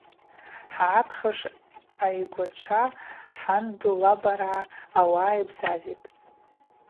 Хӏъапхьуш айгвачва – хӏанду лабаргӏа – ауаъа йбзазитӏ.